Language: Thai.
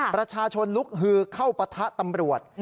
ประชาชนลุกฮือเข้าปะทะตำรวจ